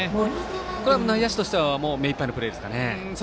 これは内野手としては目いっぱいのプレーですかね。